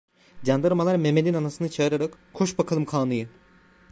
Candarmalar Mehmet'in anasını çağırarak: "Koş bakalım kağnıyı!".